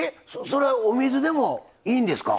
それはお水でもいいんですか？